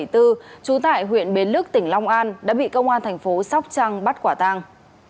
trú tại huyện bến lức tỉnh long an đã bị công an thành phố sóc trăng bắt quả tang